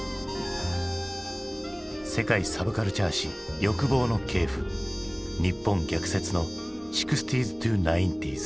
「世界サブカルチャー史欲望の系譜日本逆説の６０−９０ｓ」。